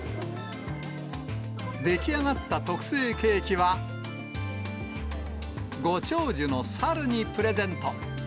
出来上がった特製ケーキは、ご長寿のサルにプレゼント。